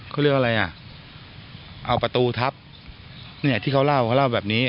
เขาเรียกว่าอะไรอ่ะเอาประตูทับเนี่ยที่เขาเล่าเขาเล่าแบบนี้